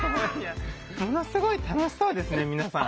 ものすごい楽しそうですね皆さん。